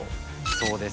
そうです。